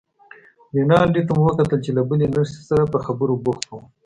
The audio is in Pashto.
رینالډي ته مو وکتل چې له بلې نرسې سره په خبرو بوخت و.